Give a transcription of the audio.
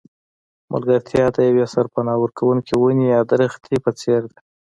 ملګرتیا د یوې سرپناه ورکوونکې ونې یا درخته په څېر ده.